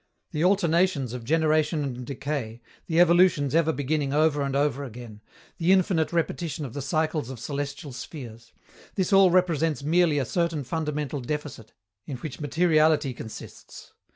The alternations of generation and decay, the evolutions ever beginning over and over again, the infinite repetition of the cycles of celestial spheres this all represents merely a certain fundamental deficit, in which materiality consists.